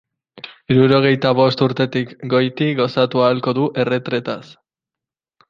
Hirurogeita bost urtetarik goiti gozatu ahalko du erretretaz.